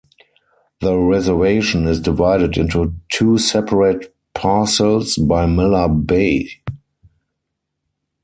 The reservation is divided into two separate parcels by Miller Bay.